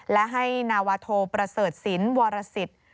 และให้นาวาโทประเสริฐศิลป์วรสิทธิ์